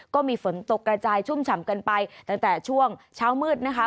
ก็มีฝนตกกระจายชุ่มฉ่ำกันไปตั้งแต่ช่วงเช้ามืดนะคะ